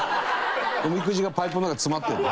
おみくじがパイプの中に詰まってるの？